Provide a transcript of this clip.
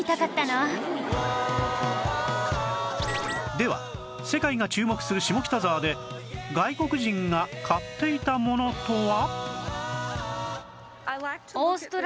では世界が注目する下北沢で外国人が買っていたものとは？